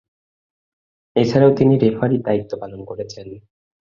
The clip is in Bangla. এছাড়াও তিনি রেফারির দায়িত্ব পালন করেছেন।